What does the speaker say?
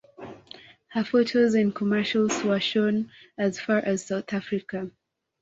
Her photos and commercials were shown as far as South Africa.